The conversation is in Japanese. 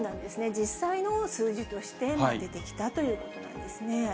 実際の数字としても出てきたということなんですね。